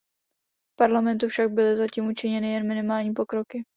V Parlamentu však byly zatím učiněny jen minimální pokroky.